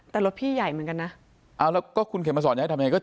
แต่รถพี่ใหญ่เหมือนกันนะเอาแล้วก็คุณเข็มมาสอนจะให้ทำยังไงก็